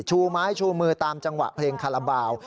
ชูไม้ชูมือตามจังหวะเพลงคาราบาล